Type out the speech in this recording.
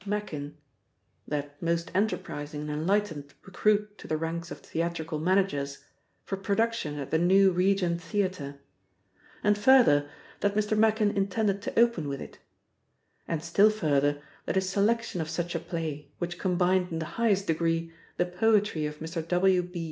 Machin ("that most enterprising and enlightened recruit to the ranks of theatrical managers ") for production at the new Regent Theatre. And further, that Mr. Machin intended to open with it. And still further, that his selection of such a play, which combined in the highest degree the poetry of Mr. W. B.